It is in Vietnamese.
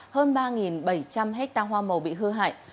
hơn ba bảy trăm linh hectare hoa màu bị hư hại